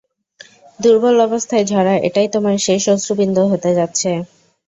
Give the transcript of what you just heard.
দুর্বল অবস্থায় ঝরা এটাই তোমার শেষ অশ্রুবিন্দু হতে যাচ্ছে।